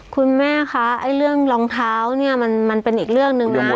คุณแม่คะไอ้เรื่องรองเท้าเนี่ยมันเป็นอีกเรื่องหนึ่งนะ